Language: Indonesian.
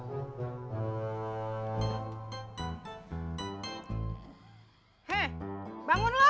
hei bangun lu